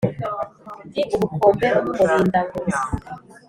ndi ubukombe bw' umurindangwe